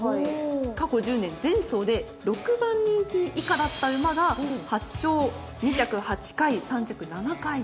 過去１０年前走で６番人気以下だった馬が８勝２着８回３着７回と。